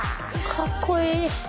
かっこいい。